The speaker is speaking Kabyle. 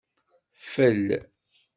Fel